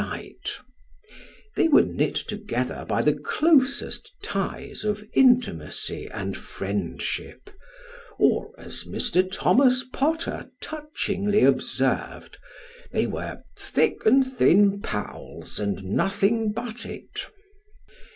They were knit together by the closest ties of intimacy and friendship, or, as Mr. Thomas Potter touchingly observed, they were " thick and thin pals, and nothing but it."